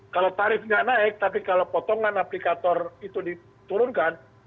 kalau tarif nggak naik tapi kalau potongan aplikator itu diturunkan